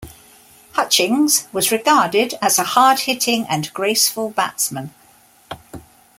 Hutchings was regarded as a hard hitting and graceful batsman.